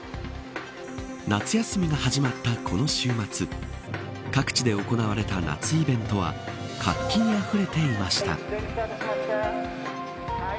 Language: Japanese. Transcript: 夏休みが始まったこの週末各地で行われた夏イベントは活気にあふれていました。